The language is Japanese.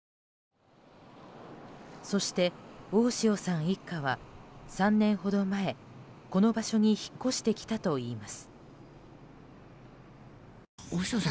そして、大塩さん一家は３年ほど前この場所に引っ越してきたといいます。